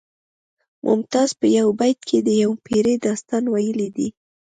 ممتاز په یو بیت کې د یوې پیړۍ داستان ویلی دی